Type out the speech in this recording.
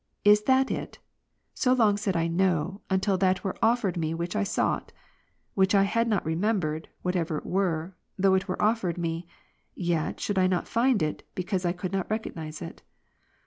"Is that it?" so long said I " No," until that were offered me which I sought. Which had I not remembered (whatever it were) though it were offered me, yet should I not find it, because I could not re cognize it.